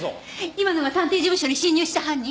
今のが探偵事務所に侵入した犯人？